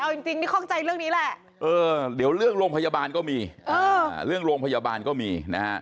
เอาจริงที่เข้าใจเรื่องนี้แหละมีเรื่องโรงพยาบาลก็มี